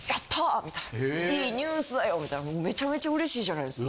みたいな「いいニュースだよ」みたいなめちゃめちゃ嬉しいじゃないですか。